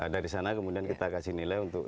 dari sana kemudian kita kasih nilai untuk